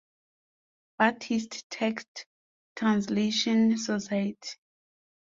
Buddhist Text Translation Society.